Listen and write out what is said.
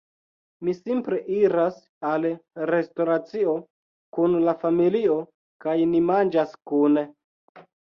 Mi simple iras al restoracio kun la familio kaj ni manĝas kune